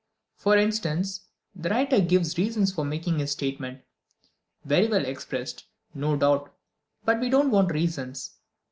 For instance, the writer gives reasons for making his statement. Very well expressed, no doubt, but we don't want reasons.